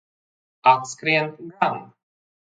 Atskrien gan.